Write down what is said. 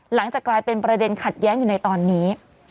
หลังจากกลายเป็นประเด็นขัดแย้งอยู่ในตอนนี้